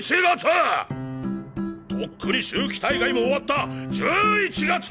とっくに秋季大会も終わった１１月！！